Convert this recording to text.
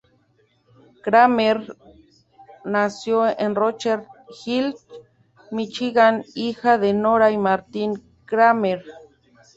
Kramer nació en Rochester Hills, Míchigan, hija de Nora y Martin Kramer.